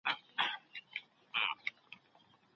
څېړنه باید یوازې د علم د پرمختګ لپاره وسی.